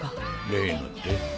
例のって？